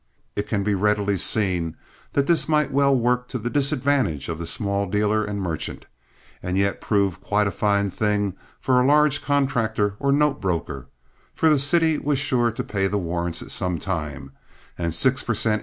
It can readily be seen that this might well work to the disadvantage of the small dealer and merchant, and yet prove quite a fine thing for a large contractor or note broker, for the city was sure to pay the warrants at some time, and six per cent.